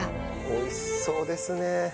美味しそうですね。